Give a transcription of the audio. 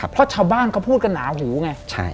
เพราะชาวบ้านเขาพูดกันหนาหูไง